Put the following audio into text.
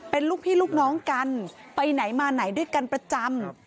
เป็นลูกพี่ลูกน้องกันไปไหนมาไหนด้วยกันประจำ